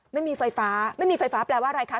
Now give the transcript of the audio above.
ไม่มีไฟฟ้าไม่มีไฟฟ้าแปลว่าอะไรคะ